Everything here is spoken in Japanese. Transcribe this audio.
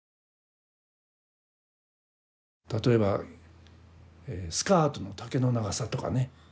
例えばスカートの丈の長さとかね